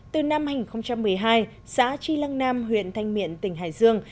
từ năm hai nghìn một mươi hai xã tri lăng nam huyện thanh miện tỉnh hải dương